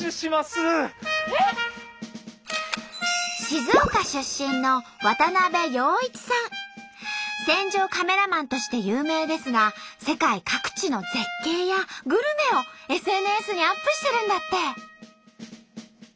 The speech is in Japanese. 静岡出身の戦場カメラマンとして有名ですが世界各地の絶景やグルメをＳＮＳにアップしてるんだって！